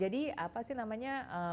jadi apa sih namanya